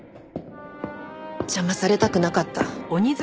邪魔されたくなかった。